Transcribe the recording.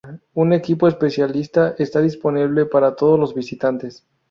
Un equipo especialista está disponible para todos los visitantes.